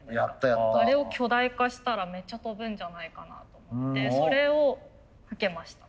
あれを巨大化したらめっちゃ飛ぶんじゃないかなと思ってそれを受けました。